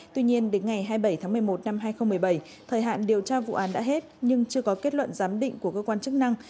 tuy nhiên đến ngày hai mươi bảy tháng một mươi một năm hai nghìn một mươi bảy thời hạn điều tra vụ án đã hết nhưng chưa có kết luận giám định của cơ quan chức năng